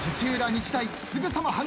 日大すぐさま反撃。